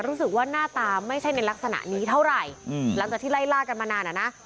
รู้สึกว่าหน้าตาไม่ใช่ในลักษณะนี้เท่าไหร่หลังจากที่ไล่ล่ากันมานานอ่ะนะ